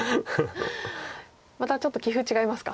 またちょっと棋風違いますか。